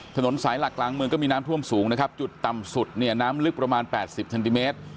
ถนนสายหลักกลางเมืองก็มีน้ำท่วมสูงนะครับจุดต่ำสุดเนี่ยน้ำลึกประมาณ๘๐เซนติเมตร